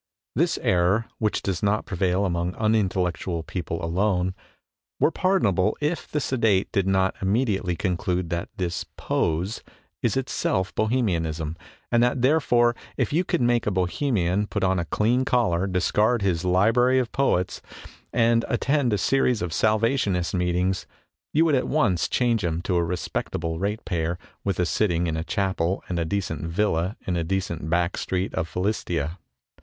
This error, which does not prevail among unintellectual people alone, were pardonable if the sedate did not immediately conclude that this " pose " is it self Bohemianism, and that therefore if you could make a Bohemian put on a clean collar, discard his library of poets, and attend a 25 26 MONOLOGUES series of Salvationist meetings, you would at once change him to a respectable ratepayer with a sitting in a chapel and a decent villa in a decent back street of Philistia.